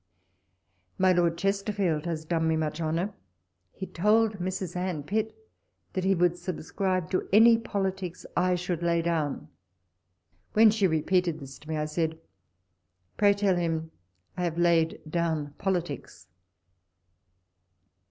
My Lord Chesterfield has done me much honour: he told Mrs. Anne Pitt that he would subscribe to any politics I sliould lay down. When she repeated this to me, I said, " Pray tell him I have laid down politics."